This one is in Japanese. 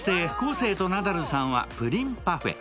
生とナダルさんはプリンパフェ。